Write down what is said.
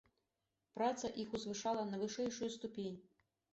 Праца іх узышла на вышэйшую ступень.